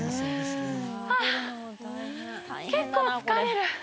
ハア結構疲れる。